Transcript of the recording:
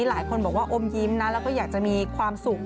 หลายคนบอกว่าอมยิ้มนะแล้วก็อยากจะมีความสุข